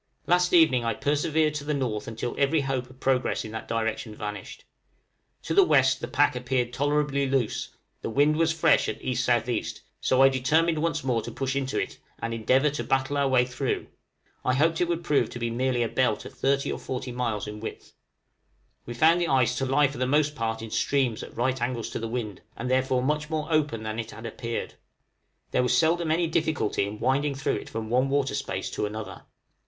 Last evening I persevered to the N. until every hope of progress in that direction vanished. To the W. the pack appeared tolerably loose; the wind was fresh at E.S.E., so I determined once more to push into it, and endeavor to battle our way through; I hoped it would prove to be merely a belt of 30 or 40 miles in width. We found the ice to lie for the most part in streams at right angles to the wind, and therefore much more open than it had appeared: there was seldom any difficulty in winding through it from one water space to another.